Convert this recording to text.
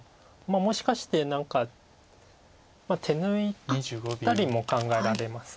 もしかして何か手抜いたりも考えられます。